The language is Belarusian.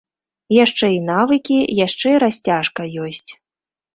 Яшчэ і навыкі, яшчэ і расцяжка ёсць.